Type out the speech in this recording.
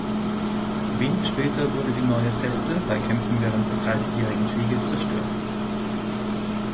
Wenig später wurde die neue Feste bei Kämpfen während des Dreißigjährigen Krieges zerstört.